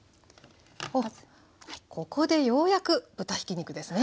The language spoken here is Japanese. ここでようやく豚ひき肉ですね。